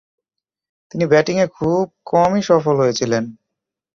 তিনি ব্যাটিংয়ে খুব কমই সফল হয়েছিলেন।